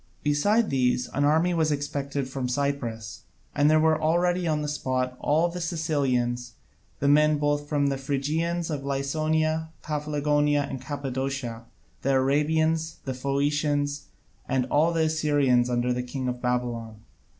Beside these, an army was expected from Cyprus, and there were already on the spot all the Cilicians, the men of both the Phrygias, of Lycaonia, Paphlagonia, and Cappadocia, the Arabians, the Phoenicians, and all the Assyrians under the king of Babylon.